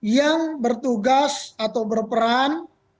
yang bertugas atau berperan